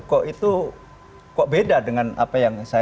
kok itu kok beda dengan apa yang saya